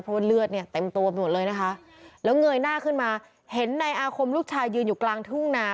เพราะว่าเลือดเนี่ยเต็มตัวไปหมดเลยนะคะแล้วเงยหน้าขึ้นมาเห็นนายอาคมลูกชายยืนอยู่กลางทุ่งนา